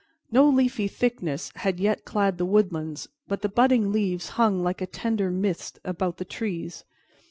No leafy thickness had yet clad the woodlands, but the budding leaves hung like a tender mist about the trees.